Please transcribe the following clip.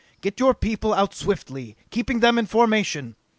Get your people out swiftly, keeping them in formation!